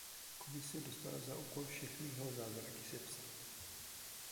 Komise dostala za úkol všechny jeho zázraky sepsat.